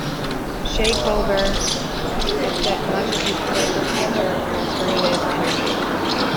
Chet Culver has bet much of his political future on alternative energy.